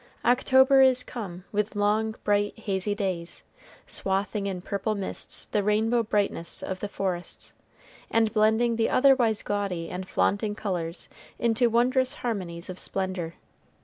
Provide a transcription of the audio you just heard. October is come with long, bright, hazy days, swathing in purple mists the rainbow brightness of the forests, and blending the otherwise gaudy and flaunting colors into wondrous harmonies of splendor.